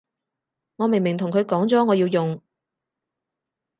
我明明同佢講咗我要用